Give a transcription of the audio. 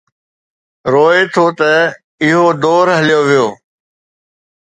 روئي ٿو ته اهو دور هليو ويو.